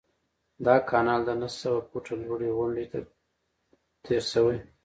دا کانال د نهه سوه فوټه لوړې غونډۍ تیر شوی.